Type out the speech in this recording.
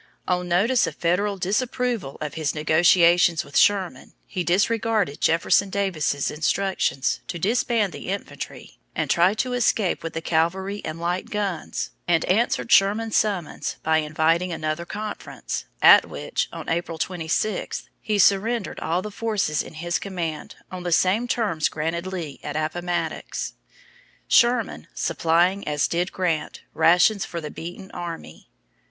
On notice of Federal disapproval of his negotiations with Sherman, he disregarded Jefferson Davis's instructions to disband the infantry and try to escape with the cavalry and light guns, and answered Sherman's summons by inviting another conference, at which, on April 26, he surrendered all the forces in his command on the same terms granted Lee at Appomattox; Sherman supplying, as did Grant, rations for the beaten army.